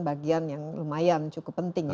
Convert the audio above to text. bagian yang lumayan cukup penting ya